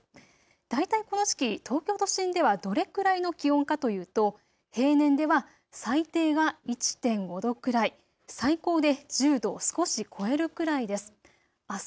だいたいこの時期、東京都心ではどれくらいの気温かというと平年では最低が１．５度くらい、最高で１０度を少し超えるくらいです。